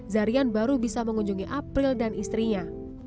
zarian baru bisa mengunjungi april dan istrinya